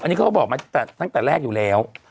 อันนี้เขาก็บอกมาตั้งแต่แรกอยู่แล้ว